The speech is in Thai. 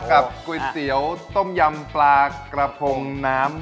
กับก๋วยเตี๋ยวต้มยำปลากระพงน้ำ